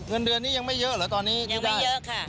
เงินเดือนนี้ยังไม่เยอะเหรอตอนนี้ยังไม่เยอะค่ะ